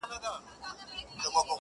اوښـكه د رڼـــا يــې خوښــــه ســـوېده.